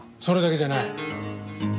それだけじゃない。